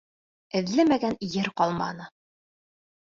Эҙләмәгән ер ҡалманы.